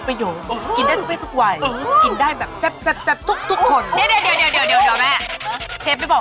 เปิดครัวหรอก